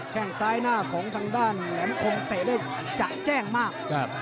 แค่งซ้ายหน้าของทางด้านแหลมคมเตะได้จะแจ้งมาก